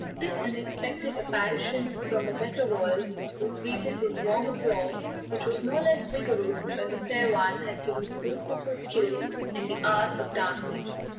This unexpected apparition from a better world was greeted with warm applause, which was no less vigorous when the fair one had given proof of her skill in the art of dancing.